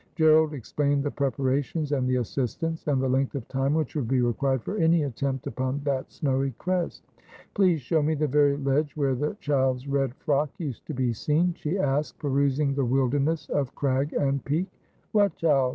Gerald explained the preparations and the assistance, and the length of time which would be required for any attempt upon that snowy crest. ' Please show me the very ledge where the child's red frock used to be seen,' she asked, perusing the wilderness of crag and peak. ' What child